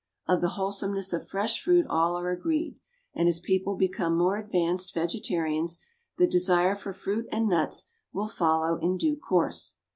Of the wholesomeness of fresh fruit all are agreed; and as people become more advanced vegetarians, the desire for fruit and nuts will follow in due course.